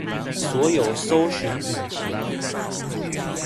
所有搜尋引擎